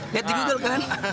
lihat di google kan